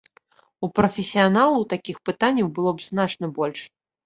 У прафесіяналаў такіх пытанняў было б значна больш.